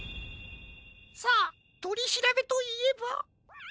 さあとりしらべといえばこれを。